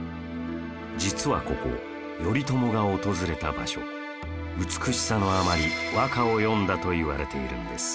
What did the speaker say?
実はここ頼朝が訪れた場所美しさのあまり和歌を詠んだといわれているんです